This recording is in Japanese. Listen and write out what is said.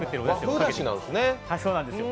和風だしなんですね。